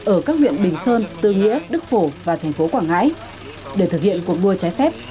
ở các huyện bình sơn tư nghĩa đức phổ và thành phố quảng ngãi để thực hiện cuộc đua trái phép